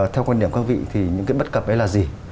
theo quan điểm các vị thì những cái bất cập ấy là gì